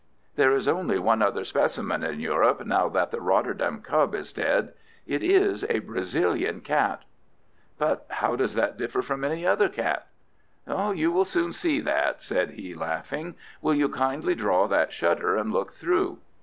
"There is only one other specimen in Europe, now that the Rotterdam cub is dead. It is a Brazilian cat." "But how does that differ from any other cat?" "You will soon see that," said he, laughing. "Will you kindly draw that shutter and look through?"